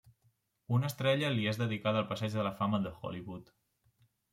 Una estrella li és dedicada al Passeig de la Fama de Hollywood.